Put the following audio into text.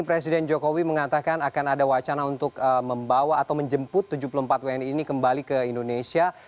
presiden jokowi mengatakan akan ada wacana untuk membawa atau menjemput tujuh puluh empat wni ini kembali ke indonesia